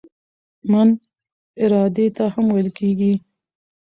"من" ارادې ته هم ویل کیږي.